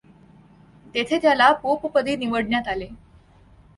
तेथे त्याला पोपपदी निवडण्यात आले.